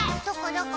どこ？